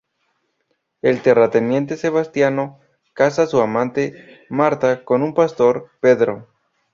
El terrateniente Sebastiano casa a su amante, Marta, con un pastor, Pedro.